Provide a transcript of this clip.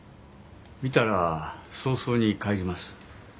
見たら早々に帰ります。